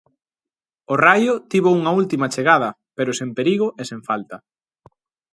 O Raio tivo unha última chegada, pero sen perigo e sen falta.